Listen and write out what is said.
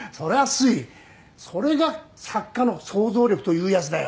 すいそれが作家の想像力というやつだよ